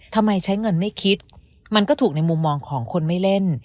ทำไมใช้เงินไม่คิดมันก็ถูกในมุมมองของคนไม่เล่น